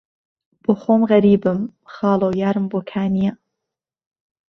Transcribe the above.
بۆخۆم غهریبم، خاڵۆ یارم بۆکانییه